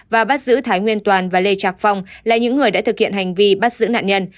và bắt giữ thái nguyên toàn và lê trạc phong là những người đã thực hiện hành vi bắt giữ nạn nhân